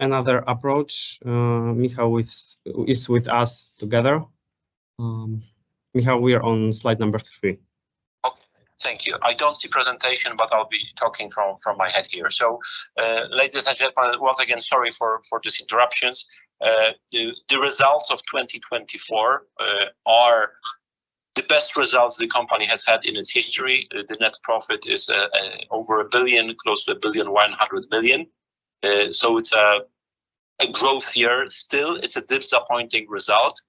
Another approach, Michał is with us together. Michał, we are on slide number three. Okay, thank you. I don't see presentation, but I'll be talking from my head here. So, ladies and gentlemen, once again, sorry for these interruptions. The results of 2024 are the best results the company has had in its history. The net profit is over 1 billion, close to 1.1 billion. So it's a growth year still. It's a disappointing result,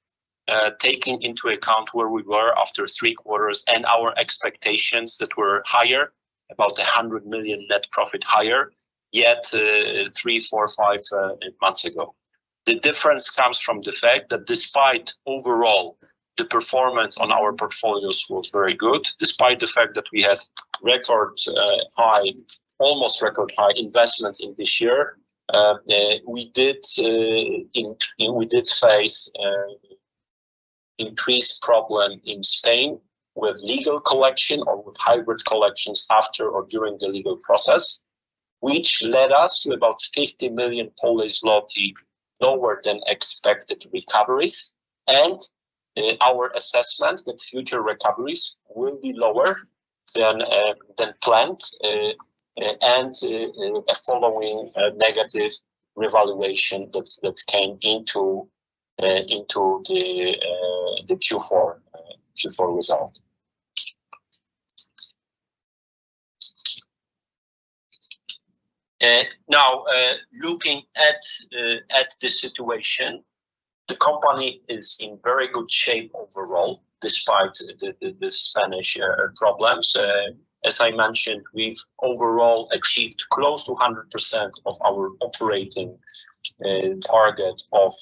taking into account where we were after three quarters and our expectations that were higher, about 100 million net profit higher yet three, four, five months ago. The difference comes from the fact that despite overall the performance on our portfolios was very good, despite the fact that we had record high, almost record high investment in this year. We did face an increased problem in Spain with legal collection or with hybrid collections after or during the legal process, which led us to about 50 million lower than expected recoveries. Our assessment that future recoveries will be lower than planned, and a following negative revaluation that came into the Q4 result. Now, looking at the situation, the company is in very good shape overall despite the Spanish problems. As I mentioned, we've overall achieved close to 100% of our operating target of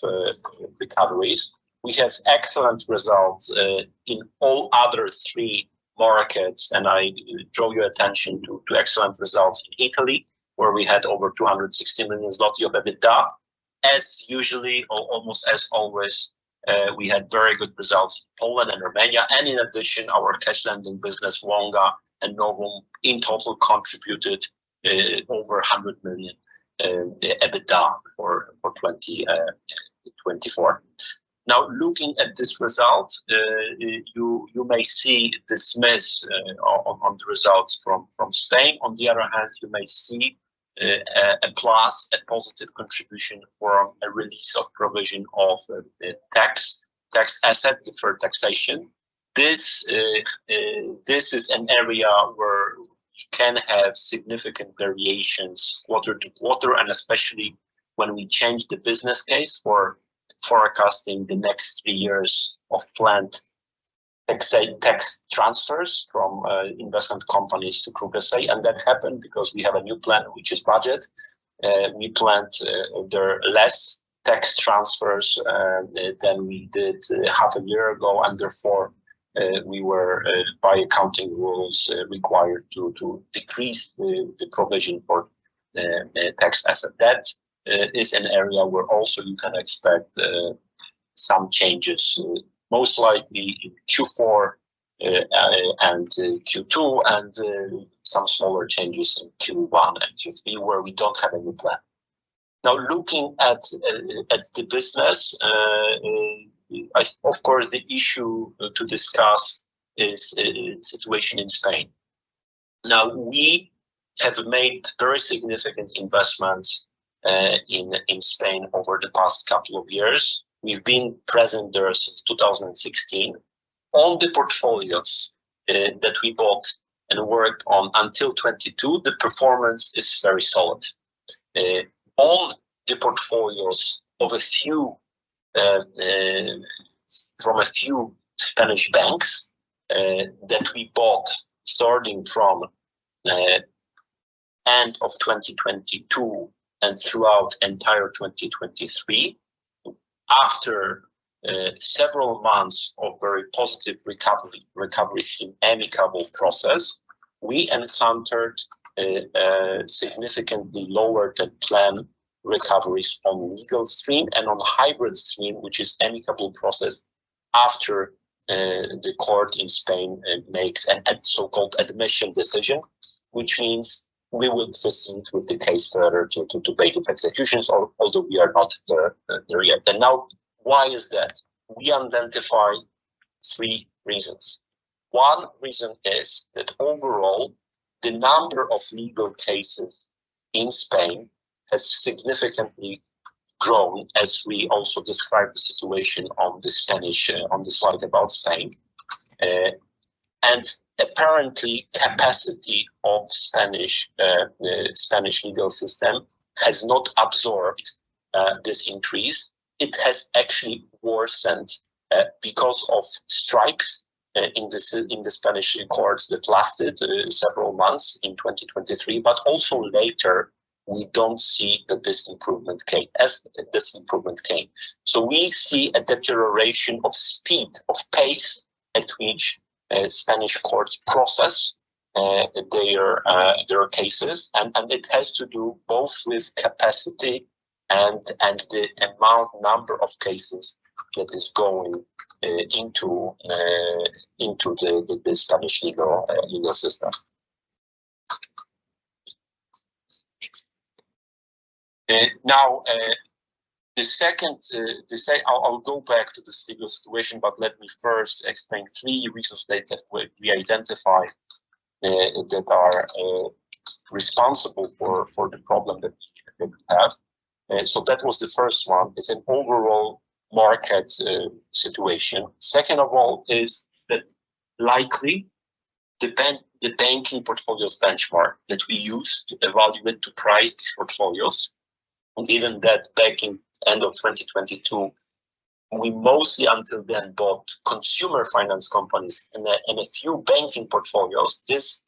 recoveries. We have excellent results in all other three markets. I draw your attention to excellent results in Italy, where we had over 260 million zlotys of EBITDA. As usual, or almost as always, we had very good results in Poland and Romania. And in addition, our cash lending business, Wonga and Novum, in total contributed over 100 million EBITDA for 2024. Now, looking at this result, you may see diminished on the results from Spain. On the other hand, you may see a positive contribution for a release of provision of tax asset, deferred taxation. This is an area where we can have significant variations quarter to quarter, and especially when we change the business case for forecasting the next three years of planned tax transfers from investment companies to KRUK S.A. That happened because we have a new plan, which is budget. We planned there are less tax transfers than we did half a year ago. Therefore, we were by accounting rules required to decrease the provision for tax asset. That is an area where also you can expect some changes, most likely in Q4 and Q2, and some smaller changes in Q1 and Q3 where we don't have a new plan. Now, looking at the business, of course, the issue to discuss is the situation in Spain. Now, we have made very significant investments in Spain over the past couple of years. We've been present there since 2016. On the portfolios that we bought and worked on until 2022, the performance is very solid. On the portfolios from a few Spanish banks that we bought starting from end of 2022 and throughout entire 2023, after several months of very positive recoveries in amicable process, we encountered significantly lower than planned recoveries on legal stream and on hybrid stream, which is amicable process after the court in Spain makes a so-called admission decision, which means we will proceed with the case further to bailiff executions, although we are not there yet. And now, why is that? We identify three reasons. One reason is that overall the number of legal cases in Spain has significantly grown as we also describe the situation on the slide about Spain. And apparently capacity of Spanish legal system has not absorbed this increase. It has actually worsened because of strikes in the Spanish courts that lasted several months in 2023. But also later, we don't see that this improvement came as this improvement came. So we see a deterioration of speed of pace at which Spanish courts process their cases. And it has to do both with capacity and the amount, number of cases that is going into the Spanish legal system. Now, the second, I'll go back to this legal situation, but let me first explain three reasons that we identify that are responsible for the problem that we have. So that was the first one. It's an overall market situation. Second of all is that likely the bank, the banking portfolios benchmark that we use to evaluate to price portfolios, and even that back in end of 2022, we mostly until then bought consumer finance companies and a few banking portfolios. This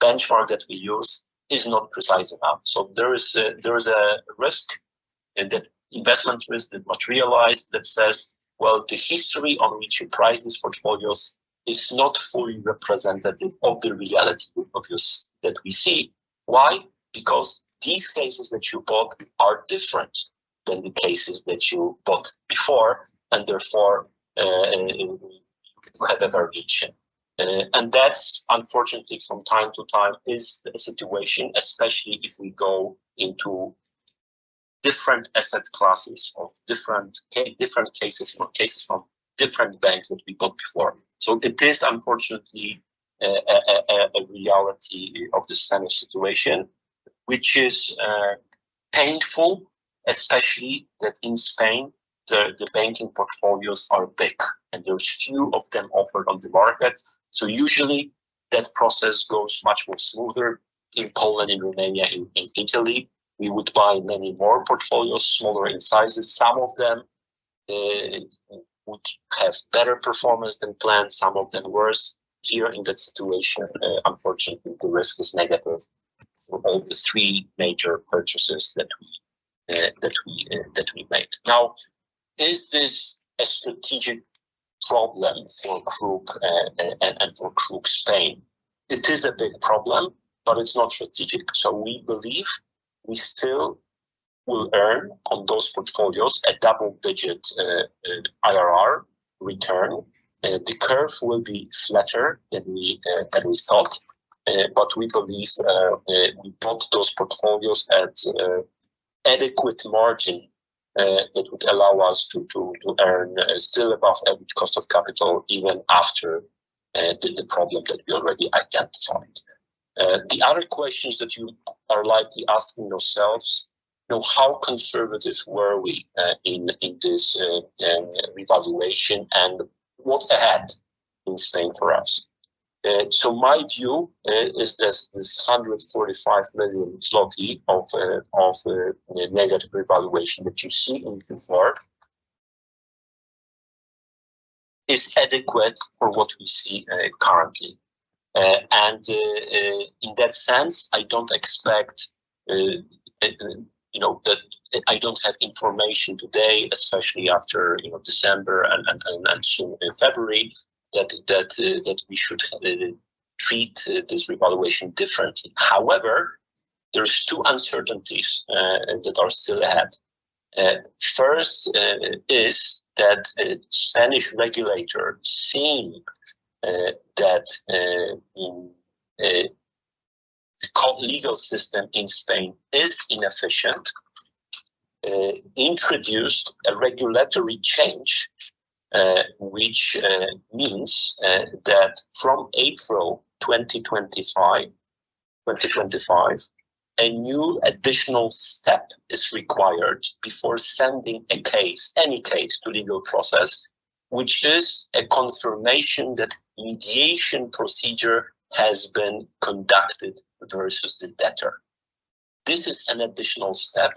benchmark that we use is not precise enough. So there is a risk, that investment risk that materialized that says, well, the history on which you price these portfolios is not fully representative of the reality that we see. Why? Because these cases that you bought are different than the cases that you bought before, and therefore you have a variation. And that's unfortunately from time to time a situation, especially if we go into different asset classes of different cases or cases from different banks that we bought before. So it is unfortunately a reality of the Spanish situation, which is painful, especially that in Spain, the banking portfolios are big and there's few of them offered on the market. So usually that process goes much more smoother in Poland, in Romania, in Italy. We would buy many more portfolios, smaller in sizes. Some of them would have better performance than planned, some of them worse. Here in that situation, unfortunately the risk is negative for all the three major purchases that we made. Now, is this a strategic problem for KRUK, and for KRUK Spain? It is a big problem, but it's not strategic. So we believe we still will earn on those portfolios a double-digit IRR return. The curve will be flatter than we thought. But we believe we bought those portfolios at adequate margin that would allow us to earn still above average cost of capital even after the problem that we already identified. The other questions that you are likely asking yourselves, you know, how conservative were we in this revaluation and what's ahead in Spain for us? So my view is that this 145 million zloty of negative revaluation that you see in Q4 is adequate for what we see currently. And in that sense, I don't expect, you know, that I don't have information today, especially after, you know, December and soon February, that we should treat this revaluation differently. However, there's two uncertainties that are still ahead. First, the Spanish regulator, seeing that the legal system in Spain is inefficient, introduced a regulatory change, which means that from April 2025, a new additional step is required before sending a case, any case, to legal process, which is a confirmation that mediation procedure has been conducted versus the debtor. This is an additional step,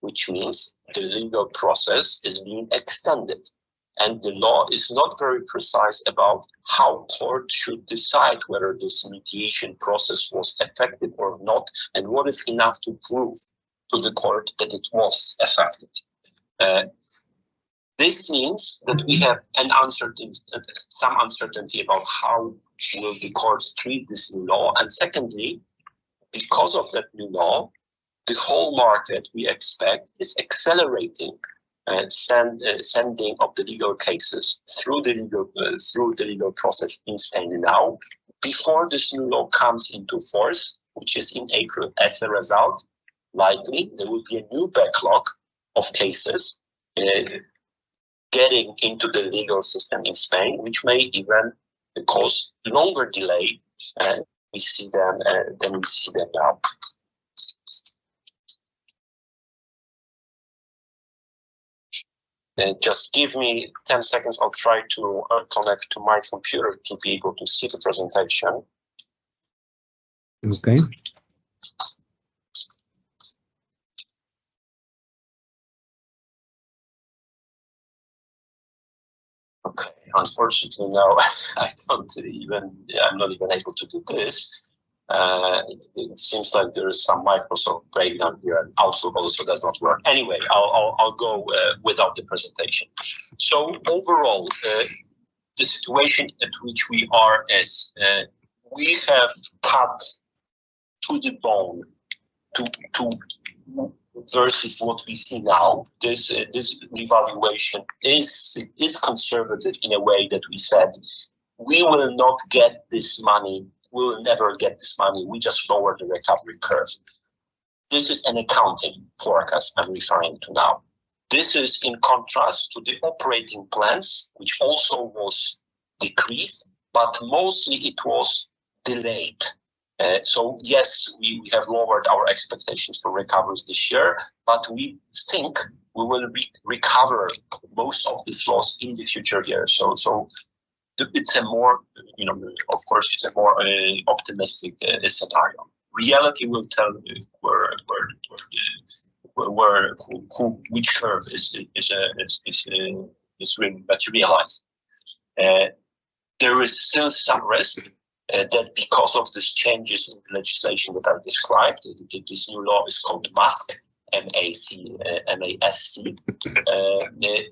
which means the legal process is being extended, and the law is not very precise about how the court should decide whether this mediation process was effective or not and what is enough to prove to the court that it was effective. This means that we have an uncertainty about how the courts will treat this new law. And secondly, because of that new law, the whole market we expect is accelerating sending of the legal cases through the legal process in Spain now. Before this new law comes into force, which is in April, as a result, likely there will be a new backlog of cases getting into the legal system in Spain, which may even cause longer delay we see than we see them now. Just give me 10 seconds. I'll try to connect to my computer to be able to see the presentation. Okay. Okay. Unfortunately now I'm not even able to do this. It seems like there is some Microsoft breakdown here and Outlook also does not work. Anyway, I'll go without the presentation. So overall, the situation at which we are is, we have cut to the bone to versus what we see now. This revaluation is conservative in a way that we said we will not get this money, we'll never get this money. We just lower the recovery curve. This is an accounting forecast I'm referring to now. This is in contrast to the operating plans, which also was decreased, but mostly it was delayed. So yes, we have lowered our expectations for recoveries this year, but we think we will recover most of this loss in the future here. So it's a more, you know, of course it's a more optimistic scenario. Reality will tell which curve is really materialized. There is still some risk that because of these changes in the legislation that I described, this new law is called MASC. It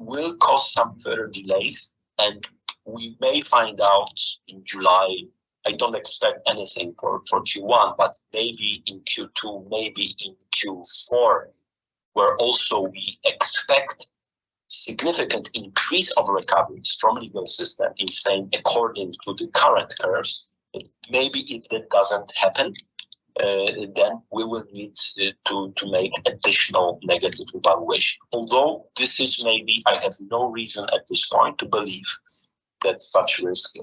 will cause some further delays and we may find out in July. I don't expect anything for Q1, but maybe in Q2, maybe in Q4, where also we expect significant increase of recoveries from legal system in Spain according to the current curve. Maybe if that doesn't happen, then we will need to make additional negative revaluation. Although this is maybe I have no reason at this point to believe that such risk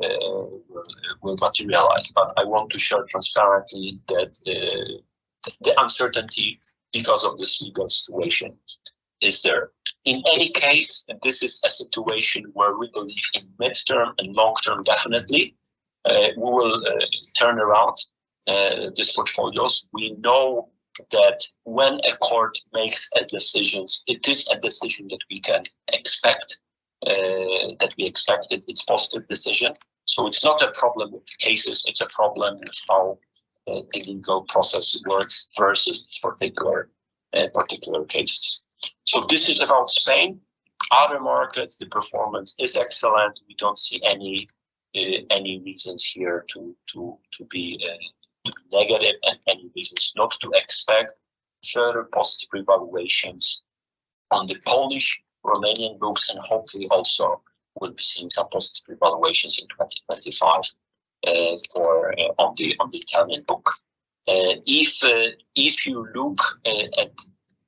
will materialize, but I want to share transparently that the uncertainty because of this legal situation is there. In any case, this is a situation where we believe in midterm and long-term definitely we will turn around these portfolios. We know that when a court makes a decision, it is a decision that we expect it. It's a positive decision, so it's not a problem with the cases. It's a problem with how the legal process works versus particular cases. So this is about Spain. Other markets, the performance is excellent. We don't see any reasons here to be negative and any reasons not to expect further positive evaluations on the Polish, Romanian books, and hopefully also we'll be seeing some positive evaluations in 2025 on the Italian book. If you look at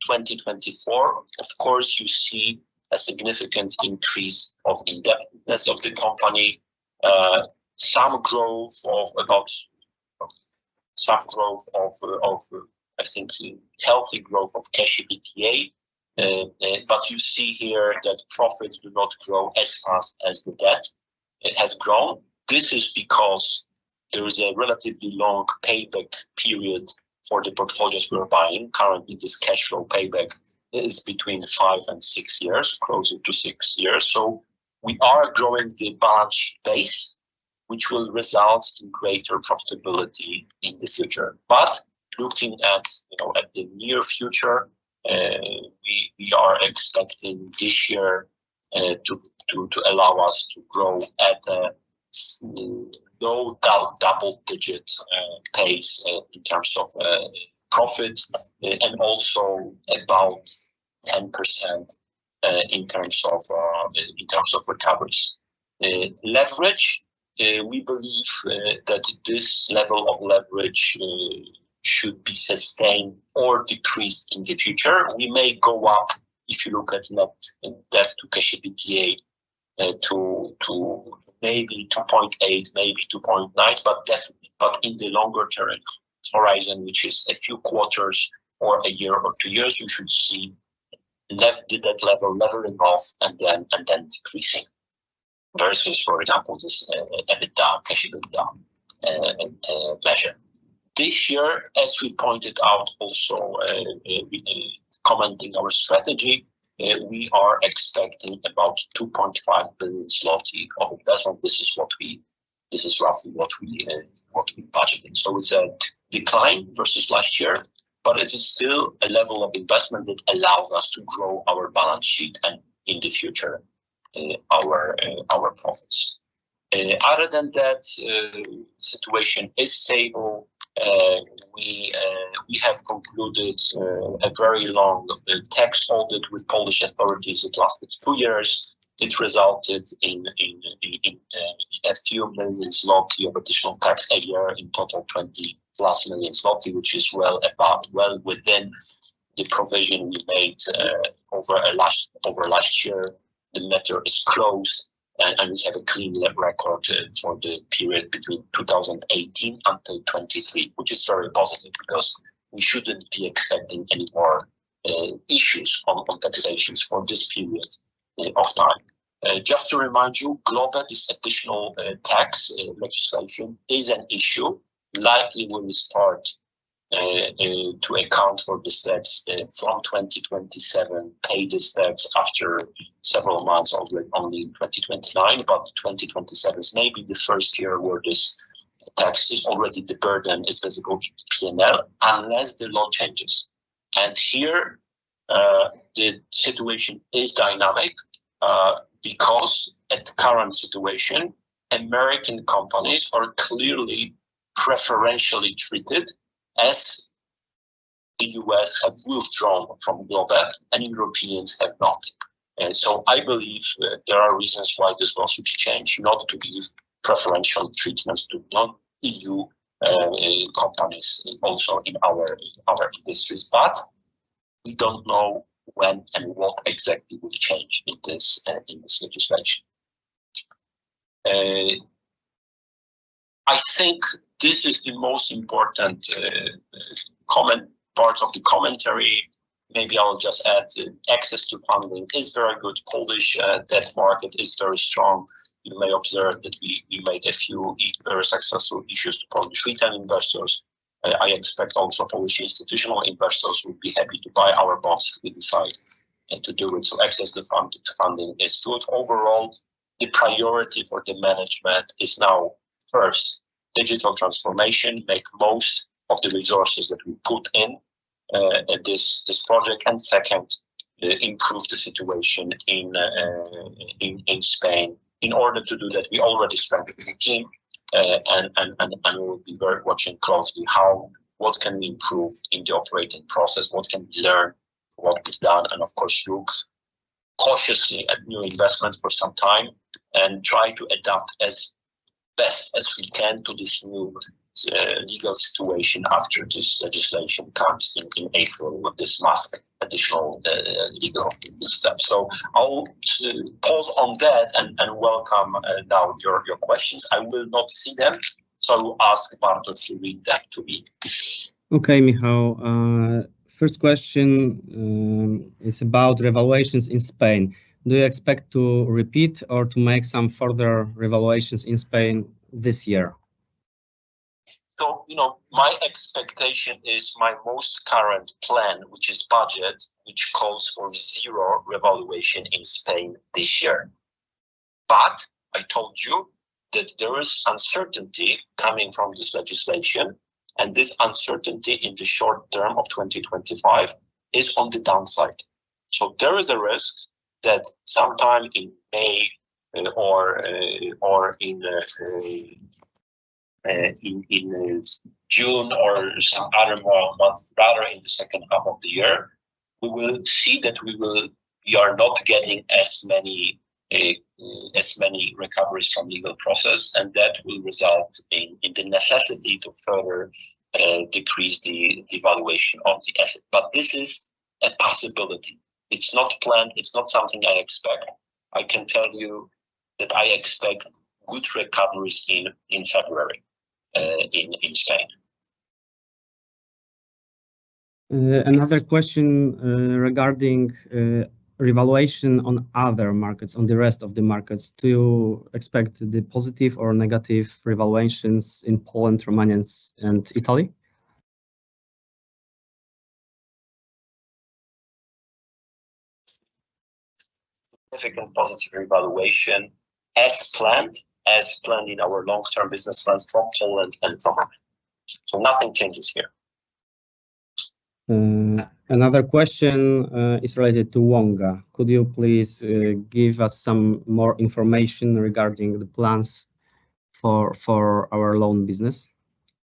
2024, of course you see a significant increase of indebtedness of the company, some growth of, I think healthy growth of cash EBITDA. But you see here that profits do not grow as fast as the debt has grown. This is because there is a relatively long payback period for the portfolios we're buying. Currently, this cash flow payback is between five and six years, closer to six years. So we are growing the debt base, which will result in greater profitability in the future. But looking at, you know, at the near future, we are expecting this year to allow us to grow at a low double-digit pace in terms of profit and also about 10% in terms of recoveries. Leverage, we believe that this level of leverage should be sustained or decreased in the future. We may go up if you look at net debt to cash EBITDA to maybe 2.8-2.9, but definitely in the longer term horizon, which is a few quarters or a year or two years, you should see net debt level leveling off and then decreasing versus, for example, this cash EBITDA measure. This year, as we pointed out also commenting our strategy, we are expecting about 2.5 billion zlotys of investment. This is roughly what we budgeted. So it's a decline versus last year, but it is still a level of investment that allows us to grow our balance sheet and in the future, our profits. Other than that, situation is stable. We have concluded a very long tax audit with Polish authorities. It lasted two years. It resulted in a few million PLN of additional tax a year in total 20 plus million, which is well above, well within the provision we made over last year. The matter is closed and we have a clean record for the period between 2018 until 2023, which is very positive because we shouldn't be expecting any more issues on taxation for this period of time. Just to remind you, Global Minimum Tax, this additional tax legislation is an issue likely when we start to account for the steps from 2027, Pillar Two steps after several months or only 2029, but 2027 is maybe the first year where this tax is already the burden is visible in the P&L unless the law changes. And here, the situation is dynamic, because at the current situation, American companies are clearly preferentially treated as the U.S. have withdrawn from Global Minimum Tax and Europeans have not. And so I believe there are reasons why this law should change not to give preferential treatments to non-EU companies also in our industries, but we don't know when and what exactly will change in this legislation. I think this is the most important comment parts of the commentary. Maybe I'll just add access to funding is very good. Polish debt market is very strong. You may observe that we made a few very successful issues to Polish retail investors. I expect also Polish institutional investors would be happy to buy our bonds if we decide to do it. So access to funding is good. Overall, the priority for the management is now first digital transformation, make most of the resources that we put in this project, and second, improve the situation in Spain. In order to do that, we already strengthened the team, and we'll be very watching closely how what can we improve in the operating process, what can we learn, what we've done. And of course, look cautiously at new investments for some time and try to adapt as best as we can to this new legal situation after this legislation comes in, in April with this MASC additional legal steps. So I'll pause on that and welcome now your questions. I will not see them. So I will ask Bartosz to read that to me. Okay, Michał, first question is about revaluations in Spain. Do you expect to repeat or to make some further revaluations in Spain this year? So, you know, my expectation is my most current plan, which is budget, which calls for zero revaluation in Spain this year. But I told you that there is uncertainty coming from this legislation and this uncertainty in the short term of 2025 is on the downside. There is a risk that sometime in May, or in June or some other month, rather in the second half of the year, we will see that we are not getting as many recoveries from legal process and that will result in the necessity to further decrease the valuation of the asset. But this is a possibility. It's not planned. It's not something I expect. I can tell you that I expect good recoveries in February in Spain. Another question regarding revaluation on other markets, the rest of the markets. Do you expect the positive or negative revaluations in Poland, Romania, and Italy? Significant positive revaluation as planned in our long-term business plans for Poland and for Romania. So nothing changes here. Another question is related to Wonga. Could you please give us some more information regarding the plans for our loan business?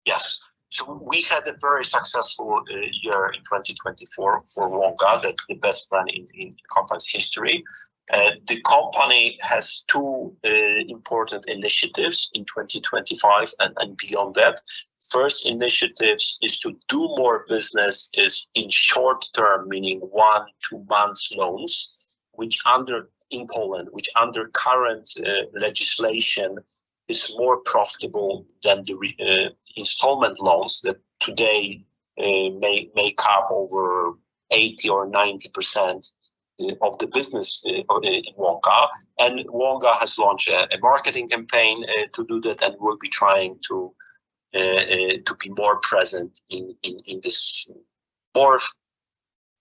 Yes, so we had a very successful year in 2024 for Wonga. That's the best year in the company's history. The company has two important initiatives in 2025 and beyond that. The first initiative is to do more business in short term, meaning one- or two-month loans, which, under current legislation in Poland, is more profitable than the installment loans that today may cap over 80% or 90% of the business in Wonga. Wonga has launched a marketing campaign to do that and will be trying to be more present in this more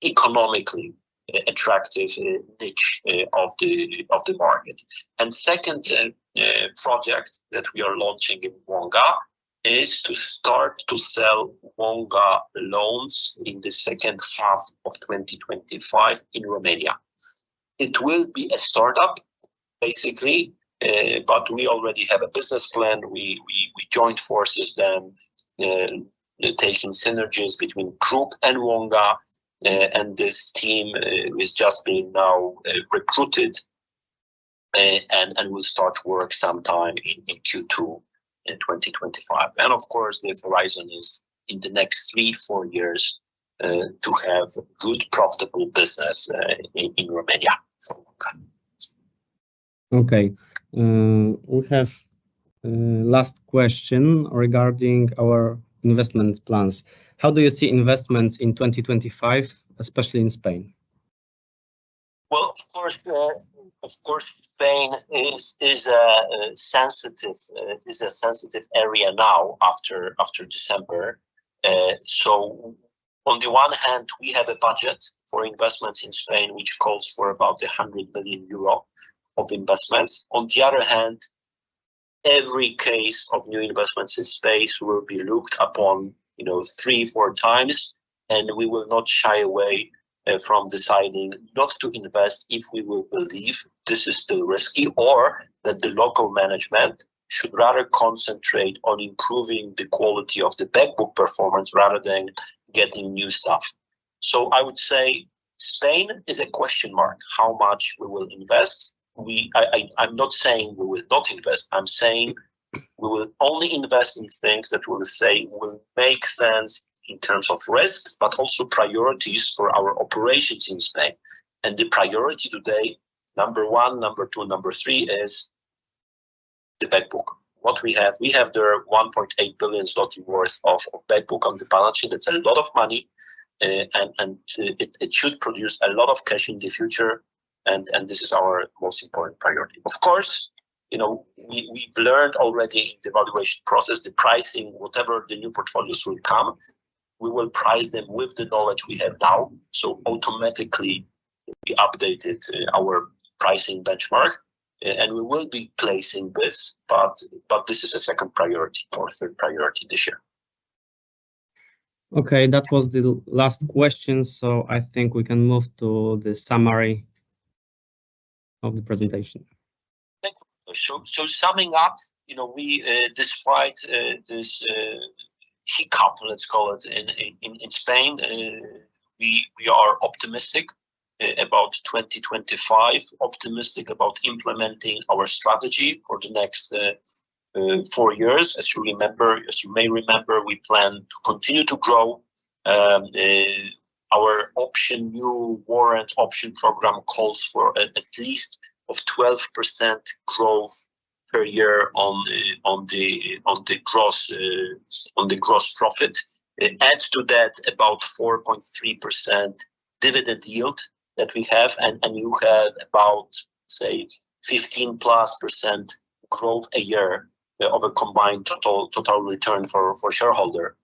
economically attractive niche of the market. The second project that we are launching in Wonga is to start to sell Wonga loans in the second half of 2025 in Romania. It will be a startup basically, but we already have a business plan. We join forces then, taking synergies between Kruk and Wonga, and this team has just been recruited, and we'll start work sometime in Q2 in 2025. Of course, the horizon is in the next three, four years, to have good profitable business in Romania for Wonga. Okay. We have last question regarding our investment plans. How do you see investments in 2025, especially in Spain? Of course, Spain is a sensitive area now after December. So on the one hand, we have a budget for investments in Spain, which calls for about 100 million euro of investments. On the other hand, every case of new investments in Spain will be looked upon, you know, three, four times, and we will not shy away from deciding not to invest if we will believe this is still risky or that the local management should rather concentrate on improving the quality of the back book performance rather than getting new stuff. So I would say Spain is a question mark how much we will invest. We, I, I'm not saying we will not invest. I'm saying we will only invest in things that we will say will make sense in terms of risks, but also priorities for our operations in Spain. And the priority today, number one, number two, number three is the backbook. What we have there 1.8 billion worth of back book on the balance sheet. It's a lot of money, and it should produce a lot of cash in the future, and this is our most important priority. Of course, you know, we've learned already in the valuation process, the pricing, whatever the new portfolios will come, we will price them with the knowledge we have now, so automatically we updated our pricing benchmark, and we will be placing this, but this is a second priority or third priority this year. Okay. That was the last question, so I think we can move to the summary of the presentation. Thank you, so summing up, you know, we, despite this hiccup, let's call it in Spain, we are optimistic about 2025, optimistic about implementing our strategy for the next four years. As you may remember, we plan to continue to grow. Our option new warrant option program calls for at least 12% growth per year on the gross profit. It adds to that about 4.3% dividend yield that we have, and you have about, say, 15% plus growth a year of a combined total return for the shareholder,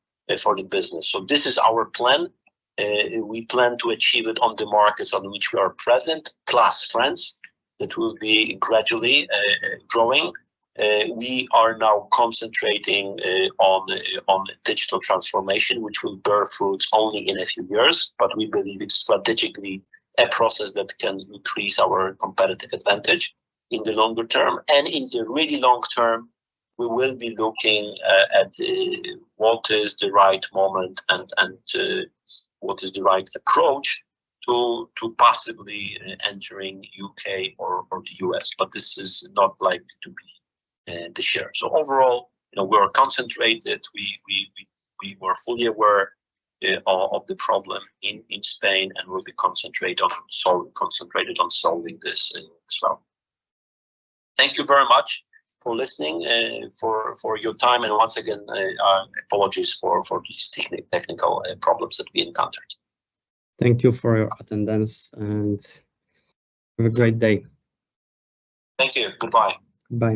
for the business. So this is our plan. We plan to achieve it on the markets on which we are present, plus France that will be gradually growing. We are now concentrating on digital transformation, which will bear fruits only in a few years, but we believe it's strategically a process that can increase our competitive advantage in the longer term. And in the really long term, we will be looking at what is the right moment and what is the right approach to possibly entering UK or the U.S. But this is not likely to be this year. So overall, you know, we are concentrated. We were fully aware of the problem in Spain and will be concentrated on solving this as well. Thank you very much for listening for your time. And once again, apologies for these technical problems that we encountered. Thank you for your attendance and have a great day. Thank you. Goodbye. Goodbye.